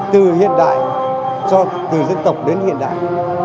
từ hiện đại từ dân tộc đến hiện đại